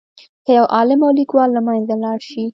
که یو عالم او لیکوال له منځه لاړ شي.